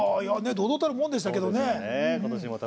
堂々たるものでしたけどね。